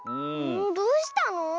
どうしたの？